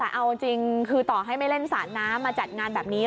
แต่เอาจริงคือต่อให้ไม่เล่นสาดน้ำมาจัดงานแบบนี้